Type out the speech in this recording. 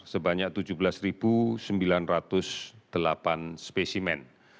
sebanyak tujuh belas sembilan ratus delapan spesimen